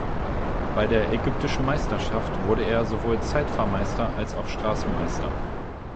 Bei der ägyptischen Meisterschaft wurde er sowohl Zeitfahrmeister als auch Straßenmeister.